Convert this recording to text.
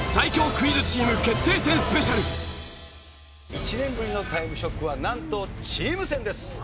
１年ぶりの『タイムショック』はなんとチーム戦です。